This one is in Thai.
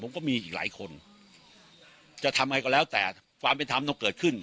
ผมก็มีอีกหลายคนจะทำยังไงก็แล้วแต่ความเป็นธรรมต้องเกิดขึ้น